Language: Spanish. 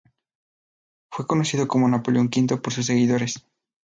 Fue conocido como Napoleón V por sus seguidores.